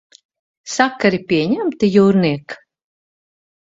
Sakari pieņemti, jūrniek?